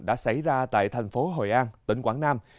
đã xảy ra tại thành phố hội an tỉnh quảng nam